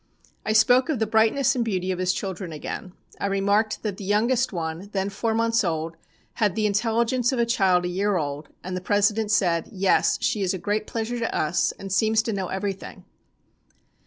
I spoke of the brightness and beauty of his children again. I remarked that the youngest one, then four months old, had the intelligence of a child a year old, and the President said: "'Yes, she is a great pleasure to us, and seems to know everything.'